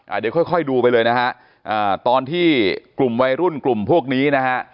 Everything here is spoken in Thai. เดี๋ยวค่อยค่อยดูไปเลยนะฮะอ่าตอนที่กลุ่มวัยรุ่นกลุ่มพวกนี้นะฮะ